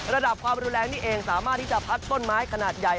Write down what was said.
ระดับความรุนแรงนี่เองสามารถที่จะพัดต้นไม้ขนาดใหญ่